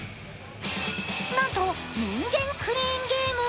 なんと人間クレーンゲーム。